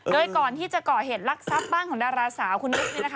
โดยก่อนที่จะก่อเหตุลักษณ์ทรัพย์บ้านของดาราสาวคุณนุ๊ก